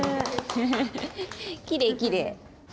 きれいきれい。